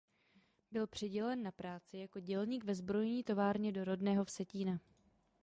Byl přidělen na práci jako dělník ve zbrojní továrně do rodného Vsetína.